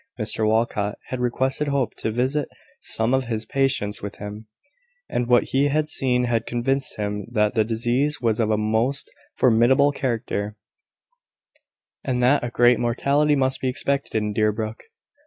Mr Walcot had requested Hope to visit some of his patients with him: and what he had seen had convinced him that the disease was of a most formidable character, and that a great mortality must be expected in Deerbrook.